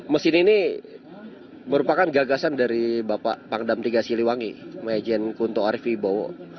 mesin ini merupakan gagasan dari bapak pangdam tiga siliwangi majen kuntuk arif ibowo